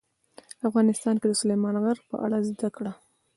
افغانستان کې د سلیمان غر په اړه زده کړه.